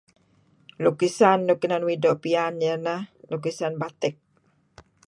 Lukisan luk uih doo' piyan iyeh neh lukisan batik.